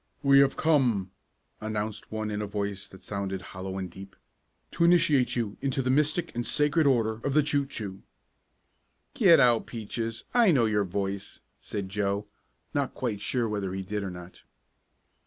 "We have come," announced one in a voice that sounded hollow and deep, "to initiate you into the Mystic and Sacred Order of the Choo Choo!" "Get out, Peaches, I know your voice," said Joe, not quite sure whether he did or not.